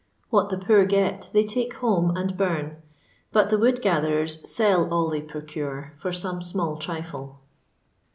What the poor get they take home and bum, but the wood gatherers sell all they procure for some small trifle.